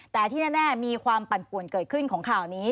แต่ที่แน่มีความปั่นป่วนเกิดขึ้นของข่าวนี้